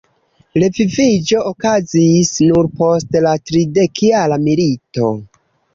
Reviviĝo okazis nur post la tridekjara milito.